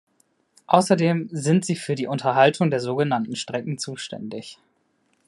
Außerdem sind Sie für die Unterhaltung der sogenannten Strecken zuständig.